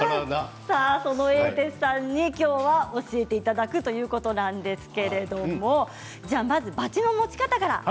その英哲さんに教えていただくということなんですけれどもまず、バチの持ち方から。